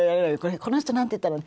「この人何て言ったの？」。